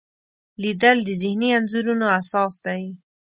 لیدل د ذهني انځورونو اساس دی